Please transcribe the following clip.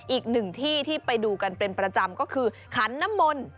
อีกหนึ่งที่ที่ไปดูกันเป็นประจำก็คือขันน้ำมนต์